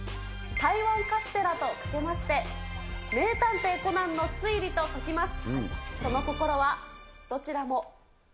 台湾カステラとかけまして、名探偵コナンの推理と解きます。